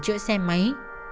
chữa xe máy